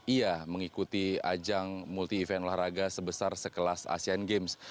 ia mengikuti ajang multi event olahraga sebesar sekelas asian games